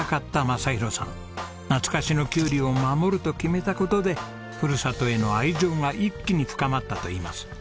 懐かしのキュウリを守ると決めた事でふるさとへの愛情が一気に深まったといいます。